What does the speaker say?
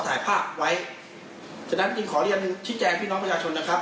ที่เขาจะเยี่ยมเยี่ยมบุตรอหาได้นะครับ